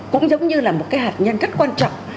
cũng giống như là một cái hạt nhân rất quan trọng